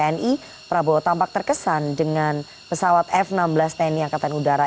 pertama kali prabowo tampak terkesan dengan pesawat f enam belas tni akatan udara